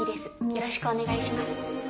よろしくお願いします。